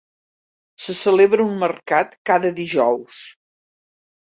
Se celebra un mercat cada dijous.